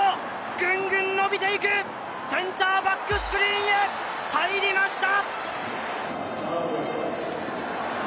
グングンのびていくセンターバックスクリーンへ入りました！